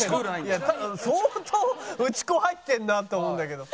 相当打ち粉入ってるなと思うんだけど。